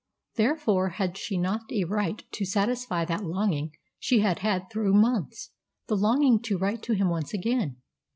Therefore, had she not a right to satisfy that longing she had had through months, the longing to write to him once again.